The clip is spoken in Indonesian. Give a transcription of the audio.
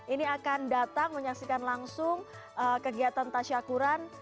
ini akan datang menyaksikan langsung kegiatan tasyakuran